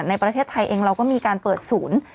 ในประเทศไทยเองเราก็มีการเปิดศูนย์